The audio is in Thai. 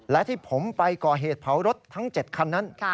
และที่ผมไปก่อเหตุเผารถทั้ง๗คันนั้น